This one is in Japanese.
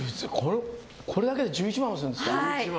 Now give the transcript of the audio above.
これだけで１１万もするんですか。